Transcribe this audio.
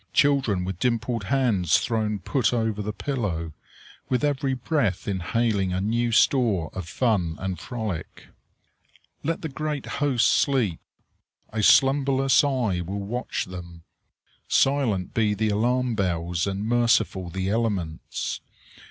Children with dimpled hands thrown put over the pillow, with every breath inhaling a new store of fun and frolic. Let the great hosts sleep! A slumberless Eye will watch them. Silent be the alarm bells and merciful the elements!